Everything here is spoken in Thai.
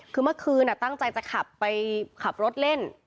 คือเมื่อคืนตั้งใจจะขับไปขับรถเล่น